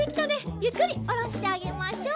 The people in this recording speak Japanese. ゆっくりおろしてあげましょう。